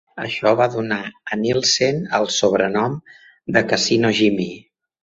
Això va donar a Nielsen el sobrenom de "Casino-Jimmy".